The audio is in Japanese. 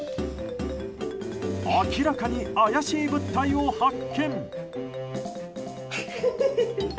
明らかに怪しい物体を発見。